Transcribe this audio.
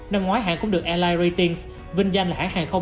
năm ngoái hãng cũng được airlines ratings vinh danh là hãng hàng không